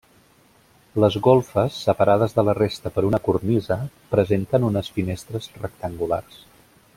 Les golfes, separades de la resta per una cornisa, presenten unes finestres rectangulars.